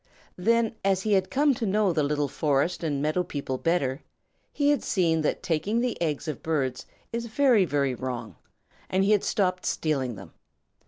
Then as he had come to know the little forest and meadow people better, he had seen that taking the eggs of birds is very, very wrong, and he had stopped stealing them.